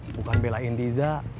bukan belain diza